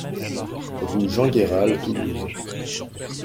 Rue Jean Gayral, Toulouse